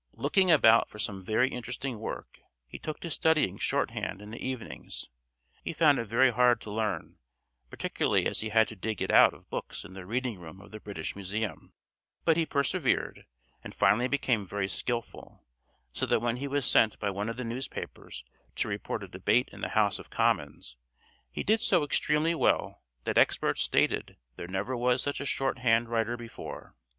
Looking about for some more interesting work, he took to studying short hand in the evenings. He found it very hard to learn, particularly as he had to dig it out of books in the reading room of the British Museum, but he persevered, and finally became very skilful, so that when he was sent by one of the newspapers to report a debate in the House of Commons he did so extremely well that experts stated "there never was such a short hand writer before."